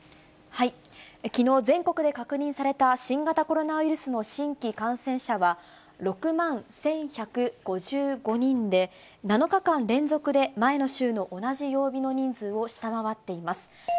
きのう、全国で確認された新型コロナウイルスの新規感染者は、６万１１５５人で、７日間連続で前の週の同じ曜日の人数を下回っています。